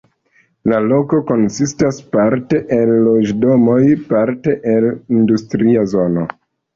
La loko konsistas parte el loĝdomoj, parte el industria zono.